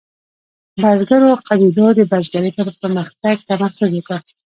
بزګرو قبیلو د بزګرۍ په پرمختګ تمرکز وکړ.